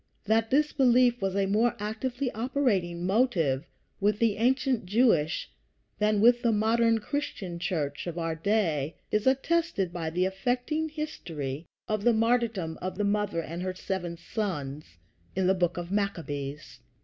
That this belief was a more actively operating motive with the ancient Jewish than with the modern Christian Church of our day is attested by the affecting history of the martyrdom of the mother and her seven sons, in the Book of Maccabees.